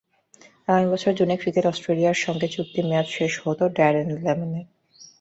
আগামী বছর জুনে ক্রিকেট অস্ট্রেলিয়ার সঙ্গে চুক্তির মেয়াদ শেষ হতো ড্যারেন লেম্যানের।